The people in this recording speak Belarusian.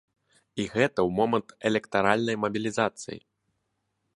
І гэта ў момант электаральнай мабілізацыі!